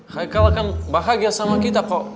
haikal kan bahagia sama kita kok